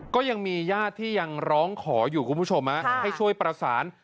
ก็ยังมีญาติที่ยังร้องขออยู่คุณผู้ชมให้ช่วยประสาน